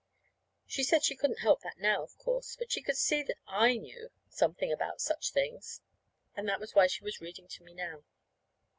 She said she couldn't help that now, of course; but she could see that I knew something about such things. And that was why she was reading to me now.